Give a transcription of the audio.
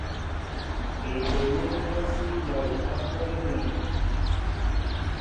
Eɓoló jɔsí mol á ɓólnέ.